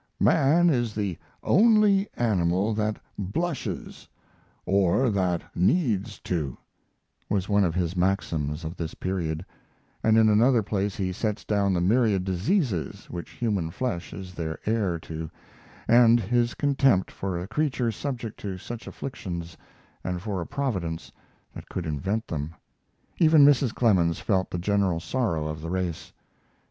"Man is the only animal that blushes, or that needs to," was one of his maxims of this period, and in another place he sets down the myriad diseases which human flesh is heir to and his contempt for a creature subject to such afflictions and for a Providence that could invent them. Even Mrs. Clemens felt the general sorrow of the race.